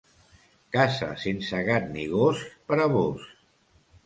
Casa sense gat ni gos, per a vós.